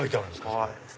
はい。